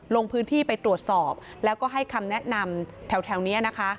ลงพื้นที่ไปตรวจสอบแล้วก็ให้คำแนะนำแถวนี้นะคะ